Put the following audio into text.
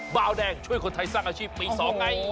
บาวแดงช่วยคนไทยสร้างอาชีพปี๒ไง